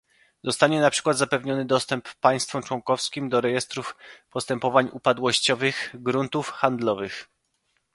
Zostanie na przykład zapewniony dostęp państwom członkowskim do rejestrów postępowań upadłościowych, gruntów, handlowych